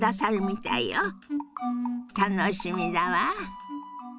楽しみだわ。